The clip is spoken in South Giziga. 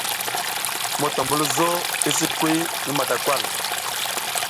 Motombulzo i sikwi matakay.